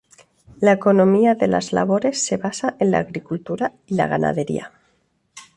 La economía de Las Labores se basa en la agricultura y la ganadería.